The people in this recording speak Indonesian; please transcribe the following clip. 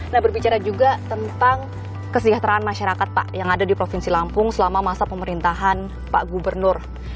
nah berbicara juga tentang kesejahteraan masyarakat pak yang ada di provinsi lampung selama masa pemerintahan pak gubernur